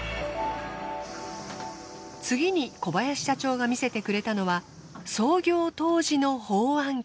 次に小林社長が見せてくれたのは創業当時の包あん機。